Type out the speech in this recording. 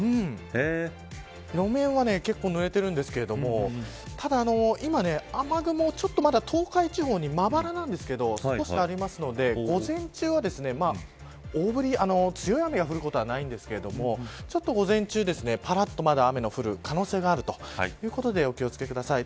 路面は結構、濡れてるんですけどただ今、雨雲ちょっとまだ東海地方にまばらなんですけど少しありますので午前中は大降り強い雨が降ることはないんですがちょっと午前中、ぱらっとまだ雨の降る可能性があるということでお気を付けください。